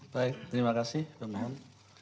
baik terima kasih pemohon